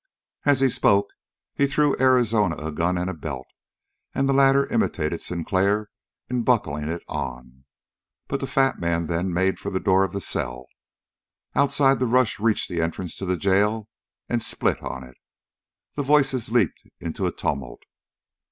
As he spoke he threw Arizona a gun and belt, and the latter imitated Sinclair in buckling it on. But the fat man then made for the door of the cell. Outside the rush reached the entrance to the jail and split on it. The voices leaped into a tumult.